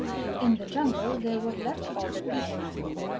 In the jungle there were left all the people.